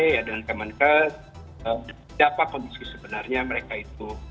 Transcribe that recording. ya dengan kemenkes siapa kondisi sebenarnya mereka itu